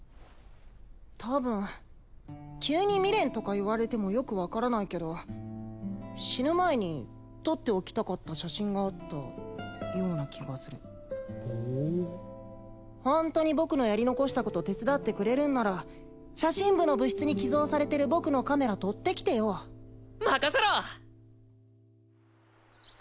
たぶん急に未練とか言われてもよく分からないけど死ぬ前に撮っておきたかった写真があったような気がするほーホントに僕のやり残したこと手伝ってくれるんなら写真部の部室に寄贈されてる僕のカメラ取ってきてよ任せろ！